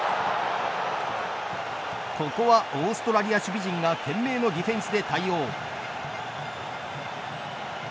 ここはオーストラリア守備陣が懸命のディフェンスで対応。